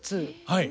はい。